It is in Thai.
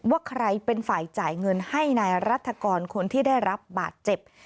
ว่าใครเป็นฝ่ายจ่ายเงินให้นายรัฐกรคนที่ได้รับบาดเจ็บ